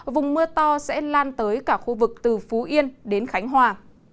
vùng mưa to sẽ lan tới cả khu vực từ phú yên đến khánh hòa